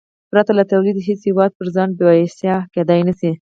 پرته له تولیده هېڅ هېواد پر ځان بسیا کېدای نه شي.